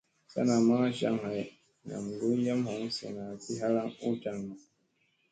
Sa namma jaŋ hay, nam guy yam hoŋ zina ki halaŋ u jaŋga.